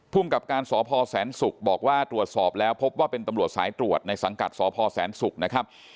กับการสพแสนศุกร์บอกว่าตรวจสอบแล้วพบว่าเป็นตำรวจสายตรวจในสังกัดสพแสนศุกร์นะครับ